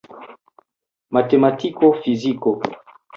Matematiko, fiziko.